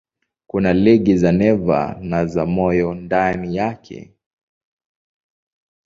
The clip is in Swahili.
Kuna liga za neva na za moyo ndani yake.